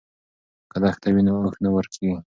که دښته وي نو اوښ نه ورکیږي.